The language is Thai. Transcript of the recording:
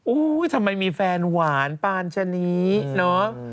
ทำไมมีแฟนหวานปานชะนีเนอะ